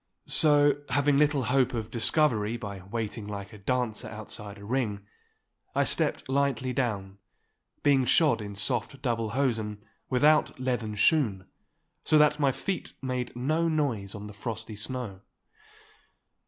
So, having little hope of discovery by waiting like a dancer outside a ring, I stepped lightly down, being shod in soft double hosen without leathern shoon, so that my feet made no noise on the frosty snow.